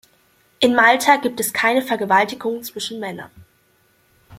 In Malta gibt es keine Vergewaltigung zwischen Männern.